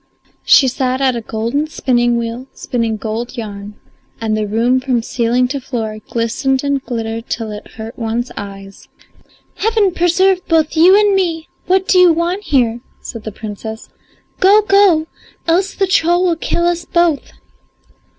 She sat at a golden spinning wheel spinning gold yarn, and the room from ceiling to floor glistened and glittered till it hurt one's eyes. "Heaven preserve both you and me, what do you want here?" said the Princess. "Go, go, else the troll will kill us both."